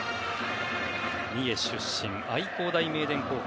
三重出身、愛工大名電高校。